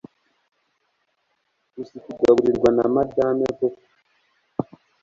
Uzi kugaburirwa na Madame koko